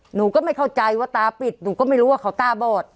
หนูก็ไม่เข้าใจว่าตาปิดหนูก็ไม่รู้ว่าเขาตาบอด